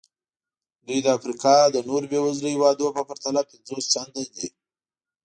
دوی د افریقا د نورو بېوزلو هېوادونو په پرتله پنځوس چنده دي.